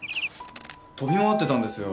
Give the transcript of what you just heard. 飛び回ってたんですよ